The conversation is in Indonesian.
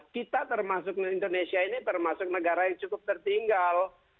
kita termasuk indonesia ini termasuk negara yang cukup tertinggal